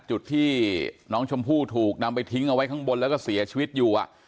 จุดที่น้องชมพู่ถูกนำไปทิ้งเอาไว้ข้างบนแล้วก็เสียชีวิตอยู่